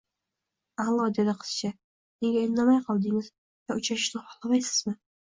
— Allo, — dedi qizcha. — Nega indamay qoldingiz? Yo uchrashishni xohlamaysizmi?